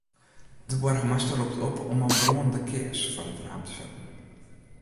De boargemaster ropt op om in brânende kears foar it raam te setten.